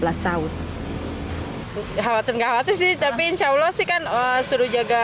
khawatir gak khawatir sih tapi insya allah sih kan suruh jaga